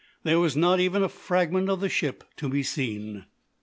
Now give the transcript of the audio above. There was not even a fragment of the ship to be seen.